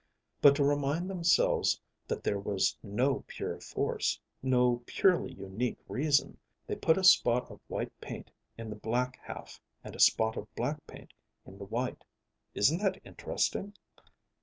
But to remind themselves that there was no pure force, no purely unique reason, they put a spot of white paint in the black half and a spot of black paint in the white. Isn't that interesting?"